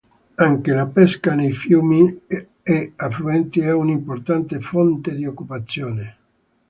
Anche la pesca nei fiumi e affluenti è un'importante fonte di occupazione.